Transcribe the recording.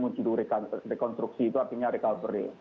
menuju rekonstruksi itu artinya recovery